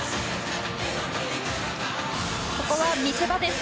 ここは見せ場です。